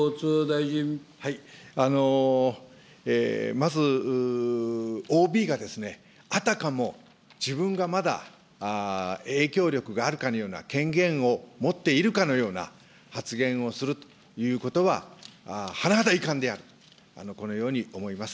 まず、ＯＢがですね、あたかも自分がまだ影響力があるかのような、権限を持っているかのような、発言をするということははなはだ遺憾である、このように思います。